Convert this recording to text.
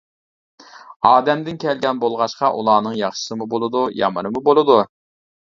ئادەمدىن كەلگەن بولغاچقا ئۇلارنىڭ ياخشىسىمۇ بولىدۇ، يامىنىمۇ بولىدۇ.